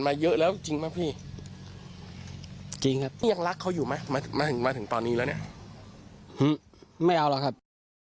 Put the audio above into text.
ไม่เอาหรอกครับ